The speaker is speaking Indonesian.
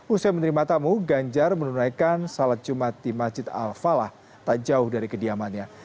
usai menerima tamu ganjar menunaikan salat jumat di masjid al falah tak jauh dari kediamannya